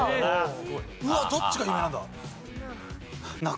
うわっどっちが有名なんだ？